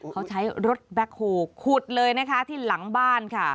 เขาใช้รถแบ็คโฮลขุดเลยนะคะที่หลังบ้านค่ะ